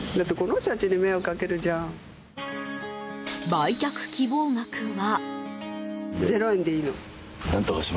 売却希望額は？